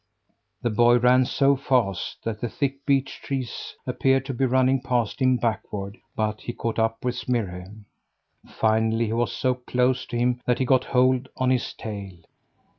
The boy ran so fast that the thick beech trees appeared to be running past him backward, but he caught up with Smirre. Finally, he was so close to him that he got a hold on his tail.